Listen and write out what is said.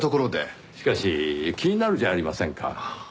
しかし気になるじゃありませんか。